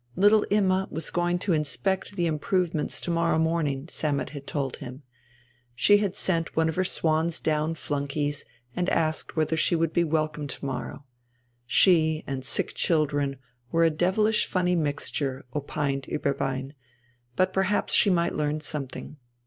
Little Imma was going to inspect the improvements to morrow morning, Sammet had told him. She had sent one of her swan's down flunkeys and asked whether she would be welcome to morrow. She and sick children were a devilish funny mixture, opined Ueberbein, but perhaps she might learn something.